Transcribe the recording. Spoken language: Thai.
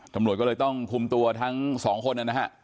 ตำรวจก็เลยต้องคุมตัวทั้งสองคนนะฮะ